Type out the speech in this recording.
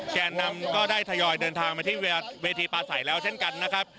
แก่นำก็ได้ทยอยเดินทางมาที่เวทีปลาใสแล้วเช่นกันนะครับ